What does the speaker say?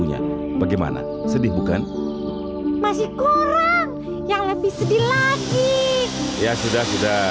ya sudah sudah